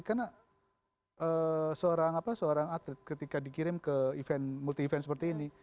karena seorang atlet ketika dikirim ke multi event seperti ini